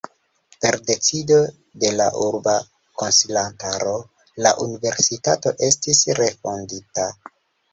Per decido de la urba konsilantaro la universitato estis refondita.